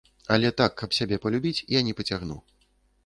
Але так, каб сябе палюбіць, я не пацягну.